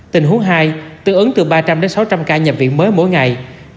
tình huống hai tương ứng từ ba trăm linh đến sáu trăm linh ca nhập viện mới mỗi ngày